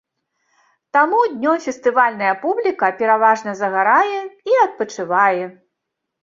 Таму днём фестывальная публіка пераважна загарае і адпачывае.